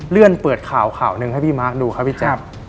เลื่อนเปิดข่าวข่าวหนึ่งให้พี่มาร์คดูครับพี่แจ๊ค